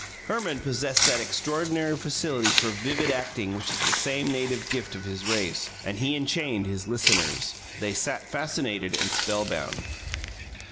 Herman possessed that extraordinary facility for vivid acting which is the great native gift of his race, and he enchained his listeners. They sat fascinated and spellbound.